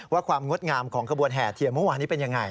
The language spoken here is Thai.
ความงดงามของขบวนแห่เทียนเมื่อวานนี้เป็นยังไง